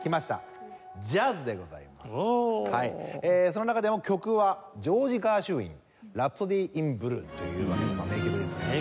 その中でも曲はジョージ・ガーシュウィン『ラプソディ・イン・ブルー』というわけで名曲ですけども。